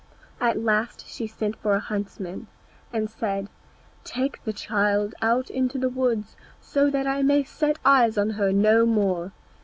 At last she sent for a huntsman, and said, "Take the child out into the woods, so that I may set eyes on her no more.